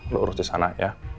lo urus di sana ya